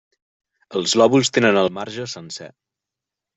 Els lòbuls tenen el marge sencer.